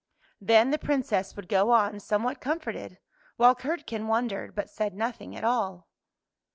Then the Princess would go on somewhat comforted, while Curdken wondered, but said nothing at all.